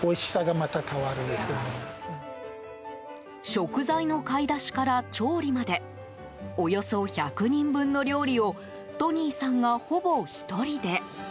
食材の買い出しから調理までおよそ１００人分の料理をトニーさんが、ほぼ１人で。